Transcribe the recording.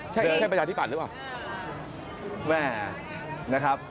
ใช่ประชานที่ปัดหรือเปล่า